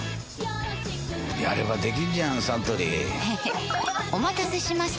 やればできんじゃんサントリーへへっお待たせしました！